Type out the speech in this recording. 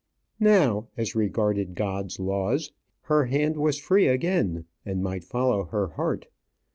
Now, as regarded God's laws, her hand was free again, and might follow her heart.